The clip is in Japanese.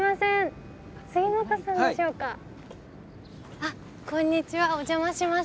あこんにちはお邪魔します。